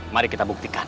mari kita buktikan